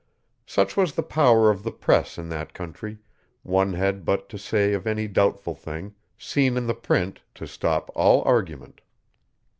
Such was the power of the press in that country one had but to say of any doubtful thing, 'Seen it in print,' to stop all argument.